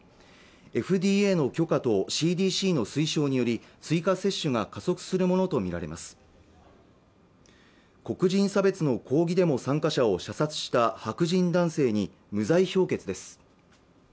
ＦＤＡの許可とＣＤＣの推奨により追加接種が加速するものと見られます黒人差別の抗議デモ参加者を射殺した白人男性に無罪評決です